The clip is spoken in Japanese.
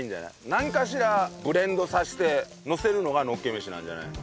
なんかしらブレンドさせてのせるのがのっけ飯なんじゃないの？